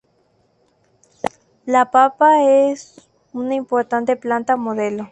La papa es una importante planta modelo.